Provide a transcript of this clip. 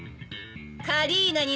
カリーナにね。